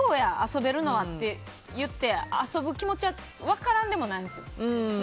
遊べるのは！って遊ぶ気持ちは分からんでもないです。